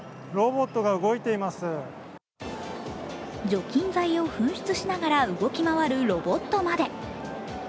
除菌剤を噴出しながら動き回るロボットまで。